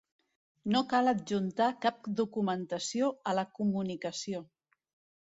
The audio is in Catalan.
No cal adjuntar cap documentació a la comunicació.